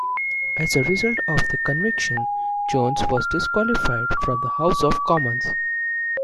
As a result of the conviction, Jones was disqualified from the House of Commons.